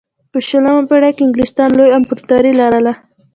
په شلمه پېړۍ کې انګلستان لویه امپراتوري لرله.